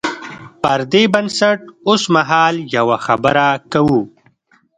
پر دې بنسټ اوسمهال یوه خبره کوو.